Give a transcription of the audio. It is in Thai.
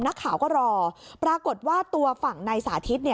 นักข่าวก็รอปรากฏว่าตัวฝั่งนายสาธิต